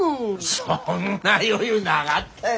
そんな余裕ながったよ。